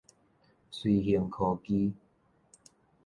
隨行科技